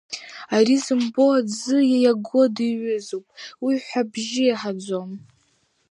Ари зымбо аӡы иаго диҩызоуп, уи ҳәҳәабжьы иаҳаӡом.